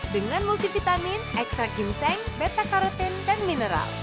dengan multivitamin ekstrak ginseng beta karotin dan mineral